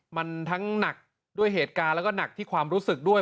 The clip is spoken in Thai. มันทั้งหนักด้วยเหตุการณ์แล้วก็หนักที่ความรู้สึกด้วย